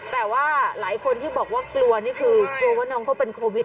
แต่ว่าหลายคนที่บอกว่ากลัวนี่คือกลัวว่าน้องเขาเป็นโควิด